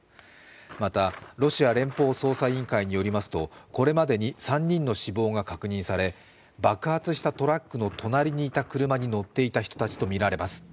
また、ロシア連邦捜査委員会によりますと、これまでに３人の死亡が確認され爆発したトラックの隣にいた車に乗っていた人たちとみられます。